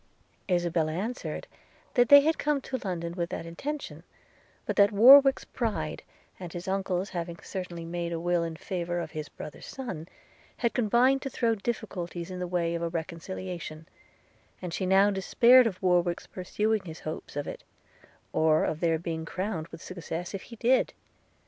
Isabella answered, 'that they had come to London with that intention; but that Warwick's pride, and his uncle's having certainly made a will in favour of his brother's son, had combined to throw difficulties in the way of a reconciliation; and she now despaired of Warwick's pursuing his hopes of it, or of their being crowned with success if he did.